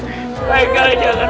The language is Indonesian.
pakai kao jangan begitu